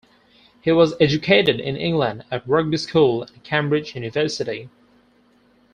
He was educated in England at Rugby School and Cambridge University.